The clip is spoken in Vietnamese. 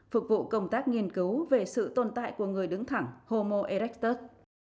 phục vụ công tác nghiên cứu về sự tồn tại của người đứng thẳng homo eracus